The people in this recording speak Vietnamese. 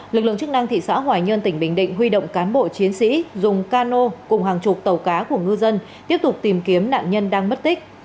lực lượng chức năng thị xã hoài nhơn tỉnh bình định huy động cán bộ chiến sĩ dùng cano cùng hàng chục tàu cá của ngư dân tiếp tục tìm kiếm nạn nhân đang mất tích